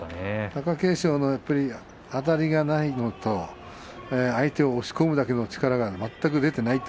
貴景勝のあたりがないのと相手を押し込むだけの力が全く出ていない。